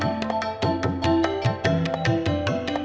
terima kasih pak